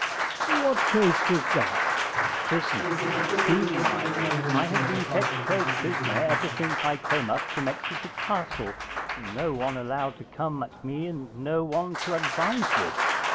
_ What case was that? Pris. Truly, my lord, I have been kept close prisoner ever since I came up from Exeter Castle, and no one allowed to come at me and no one to advise with.